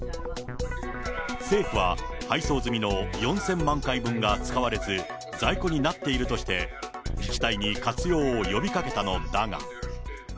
政府は配送済みの４０００万回分が使われず、在庫になっているとして、自治体に活用を呼びかけたのだが。